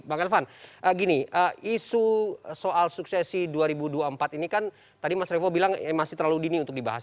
bang elvan gini isu soal suksesi dua ribu dua puluh empat ini kan tadi mas revo bilang masih terlalu dini untuk dibahas